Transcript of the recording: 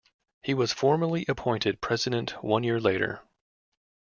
He was formally appointed president one year later.